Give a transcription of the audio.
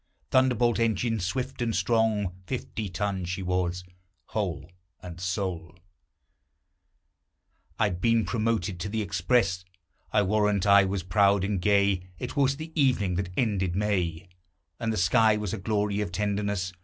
Thunderbolt engine, swift and strong, Fifty tons she was, whole and sole! I had been promoted to the express: I warrant I was proud and gay. It was the evening that ended May, And the sky was a glory of tenderness.